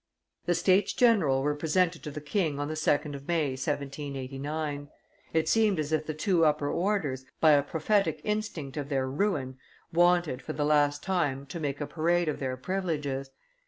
The States general were presented to the king on the 2d of May, 1789. It seemed as if the two upper orders, by a prophetic instinct of their ruin, wanted, for the last time, to make a parade of their privileges.